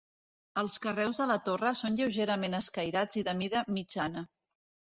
Els carreus de la torre són lleugerament escairats i de mida mitjana.